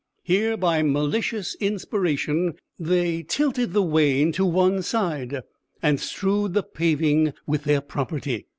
Here, by malicious inspiration, they tilted the wain to one side and strewed the paving with their property.